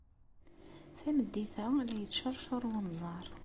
Tameddit-a, la yettceṛcuṛ wenẓar.